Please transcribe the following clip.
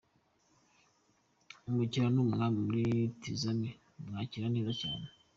Umukiliya ni umwami muri Tizama, bamwakira neza cyane.